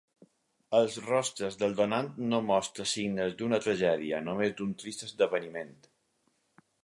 Els rostres del donant no mostra signes d'una tragèdia, només d'un trist esdeveniment.